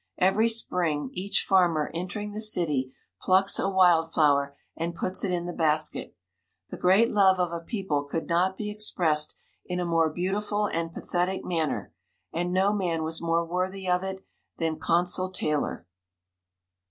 Every spring each farmer entering the city plucks a wild flower, and puts it in the basket. The great love of a people could not be expressed in a more beautiful and pathetic manner, and no man was more worthy of it than Consul Taylor.